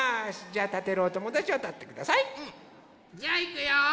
じゃあたてるおともだちはたってください。じゃあいくよ。